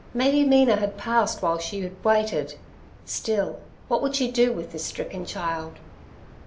Maybe Mina had passed while she had waited, still, what would she do with this stricken child?